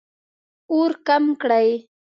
اور کم کړئ